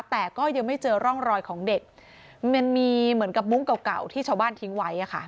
แต่ก็ยังไม่เจอร่องรอยของเด็กมันมีเหมือนกับมุ้งเก่าเก่าที่ชาวบ้านทิ้งไว้